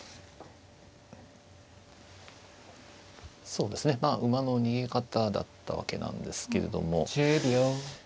そうですねまあ馬の逃げ方だったわけなんですけれども。